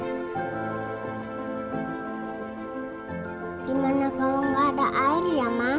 gimana kalau nggak ada air ya mak